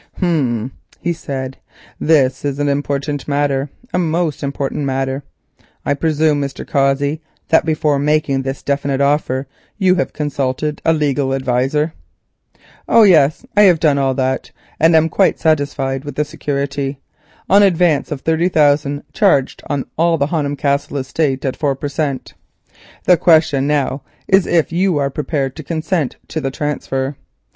"Hum," he said, "this is an important matter, a most important matter. I presume, Mr. Cossey, that before making this definite offer you have consulted a legal adviser." "Oh yes, I have done all that and am quite satisfied with the security —an advance of thirty thousand charged on all the Honham Castle estates at four per cent. The question now is if you are prepared to consent to the transfer.